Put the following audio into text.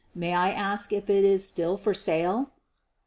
May I a^k if it is still for sale!"